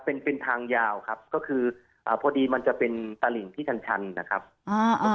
เป็นเป็นทางยาวครับก็คืออ่าพอดีมันจะเป็นตลิ่งที่ชันชันนะครับอ่า